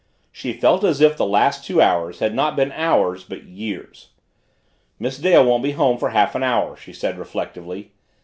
She felt as if the last two hours had not been hours but years. "Miss Dale won't be home for half an hour," she said reflectively.